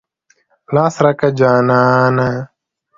لاس راکه جانانه.